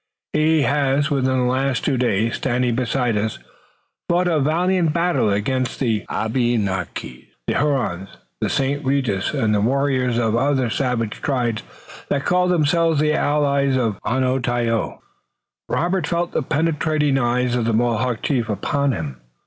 He has within the last two days, standing beside us, fought a valiant battle against the Abenakis, the Hurons, the St. Regis and warriors of the other savage tribes that call themselves the allies of Onontio." Robert felt the penetrating eye of the Mohawk chief upon him.